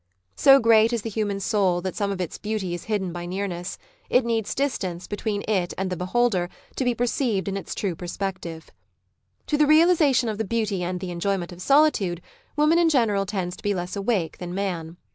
So great is the human soul that some of its beauty is hidden by nearness : it needs distance between it and the beholder to be perceived in its true perspective. To the realisation of the beauty and the enjoyment of solitude, woman in general tends to be less awake than man.